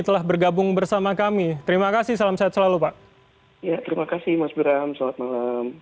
telah bergabung bersama kami terima kasih salam sehat selalu pak ya terima kasih mas bram selamat malam